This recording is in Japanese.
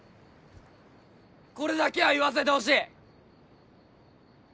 これだけは言わせてほしい！